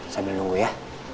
sambil nunggu ya